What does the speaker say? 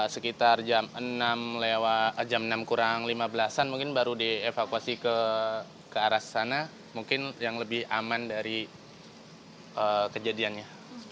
sekitar jam enam kurang lima belas an mungkin baru dievakuasi ke arah sana mungkin yang lebih aman dari kejadiannya